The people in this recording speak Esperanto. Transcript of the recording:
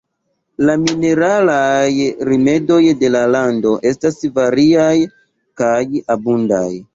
La mineralaj rimedoj de la lando estas variaj kaj abundaj.